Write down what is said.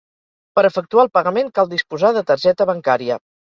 Per efectuar el pagament cal disposar de targeta bancària.